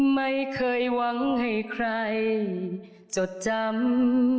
ไม่เคยหวังให้ใครจดจำ